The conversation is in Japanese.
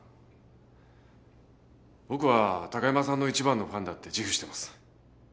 僕は高山さんの一番のファンだって自負してます。